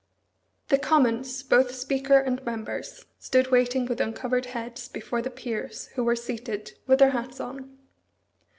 The Commons, both Speaker and members, stood waiting with uncovered heads, before the peers, who were seated, with their hats on.